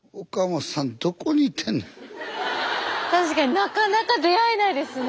確かになかなか出会えないですね。